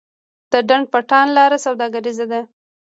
د ډنډ پټان لاره سوداګریزه ده